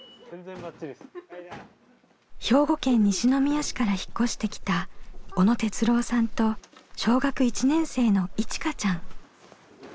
兵庫県西宮市から引っ越してきた小野哲郎さんと小学１年生のいちかちゃん。